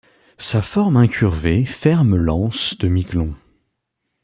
Sa forme incurvée ferme l'anse de Miquelon.